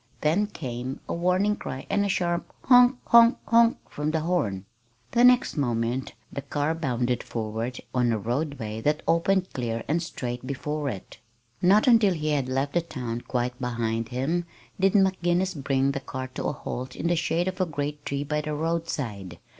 Then came a warning cry and a sharp "honk honk honk" from the horn. The next moment the car bounded forward on a roadway that opened clear and straight before it. Not until he had left the town quite behind him did McGinnis bring the car to a halt in the shade of a great tree by the roadside.